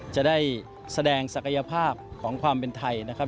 จะได้แสดงศักยภาพของความเป็นไทยนะครับ